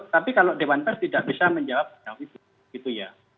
tapi kalau dewan pers tidak bisa menjawab itu gitu ya